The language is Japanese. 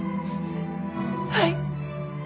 はい！